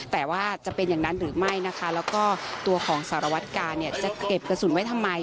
แต่ว่าจะเป็นอย่างนั้นหรือไม่นะคะแล้วก็ตัวของสารวัตกาเนี่ยจะเก็บกระสุนไว้ทำไม